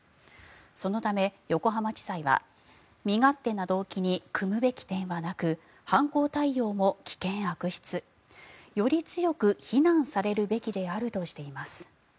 そのため、横浜地裁は身勝手な動機に酌むべき点はなく犯行態様も危険悪質より強く非難されるべきであるとしています。